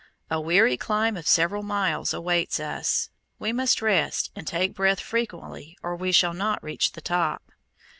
A weary climb of several miles awaits us. We must rest and take breath frequently or we shall not reach the top.